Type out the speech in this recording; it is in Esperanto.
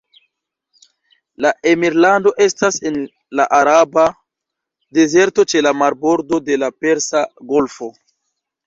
La emirlando estas en la Araba Dezerto ĉe la marbordo de la Persa Golfo.